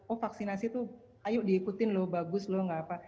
oh vaksinasi tuh ayo diikutin loh bagus loh gak apa